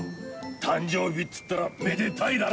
誕生日っつったらめでタイだろ。